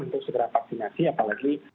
untuk segera vaksinasi apalagi